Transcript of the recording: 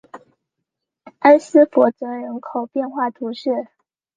埃斯珀泽人口变化图示